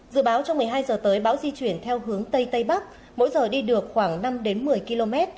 dự báo trong một mươi hai giờ tới bão di chuyển theo hướng tây tây bắc mỗi giờ đi được khoảng năm một mươi km